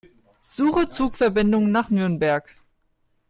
Suche Zugverbindungen nach Nürnberg.